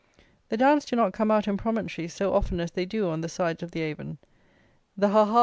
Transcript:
The downs do not come out in promontories so often as they do on the sides of the Avon. The _Ah ah!